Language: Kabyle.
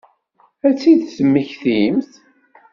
Ad tt-id-temmektimt?